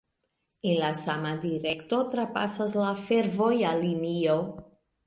En la sama direkto trapasas la fervoja linio.